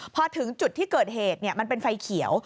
พอถึงจุดที่เกิดเหตุมันเป็นไฟเขียว